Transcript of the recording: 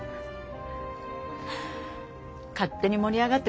勝手に盛り上がってごめんね。